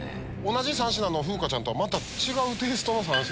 同じ３品の風花ちゃんとはまた違うテイストの３品。